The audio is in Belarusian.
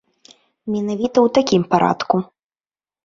Менавіта ў такім парадку.